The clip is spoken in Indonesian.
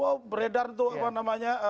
wow beredar tuh apa namanya